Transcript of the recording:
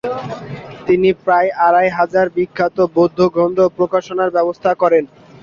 তিনি প্রায় আড়াই হাজার বিখ্যাত বৌদ্ধ গ্রন্থ প্রকাশনার ব্যবস্থা করেন।